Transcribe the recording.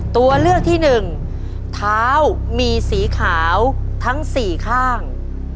ตัวเลือกที่หนึ่งเท้ามีสีขาวทั้งสี่ข้าง